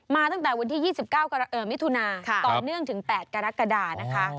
ตั้งแต่วันที่๒๙มิถุนาต่อเนื่องถึง๘กรกฎานะคะ